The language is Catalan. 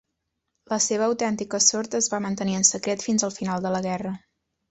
La seva autèntica sort es va mantenir en secret fins el final de la guerra.